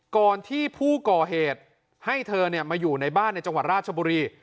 ก่อนที่ผู้ก่อเหตุให้เธอมาอยู่ในบ้านในจังหวัดราชบุรี